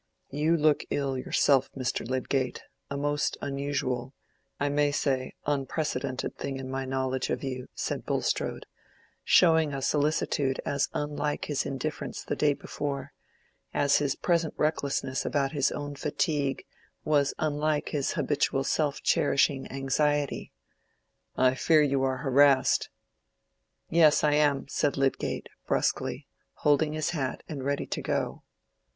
"You look ill yourself, Mr. Lydgate—a most unusual, I may say unprecedented thing in my knowledge of you," said Bulstrode, showing a solicitude as unlike his indifference the day before, as his present recklessness about his own fatigue was unlike his habitual self cherishing anxiety. "I fear you are harassed." "Yes, I am," said Lydgate, brusquely, holding his hat, and ready to go.